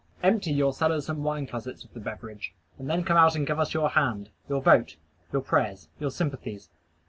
Empty your cellars and wine closets of the beverage, and then come out and give us your hand, your vote, your prayers, your sympathies.